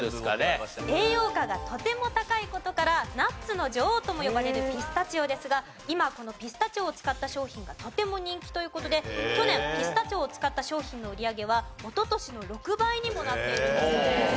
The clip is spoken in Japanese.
栄養価がとても高い事から「ナッツの女王」とも呼ばれるピスタチオですが今このピスタチオを使った商品がとても人気という事で去年ピスタチオを使った商品の売り上げは一昨年の６倍にもなっているんだそうです。